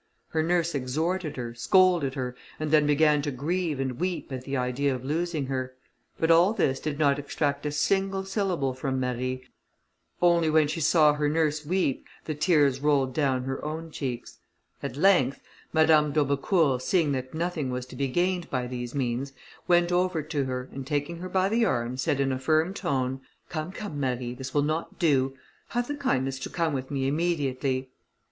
Her nurse exhorted her, scolded her, and then began to grieve and weep at the idea of losing her. But all this did not extract a single syllable from Marie, only when she saw her nurse weep the tears rolled down her own cheeks. At length, Madame d'Aubecourt seeing that nothing was to be gained by these means, went over to her, and taking her by the arm, said in a firm tone, "Come, come, Marie, this will not do; have the kindness to come with me immediately."